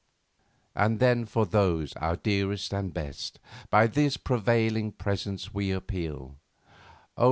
"And then for those, our dearest and best, By this prevailing Presence we appeal; O!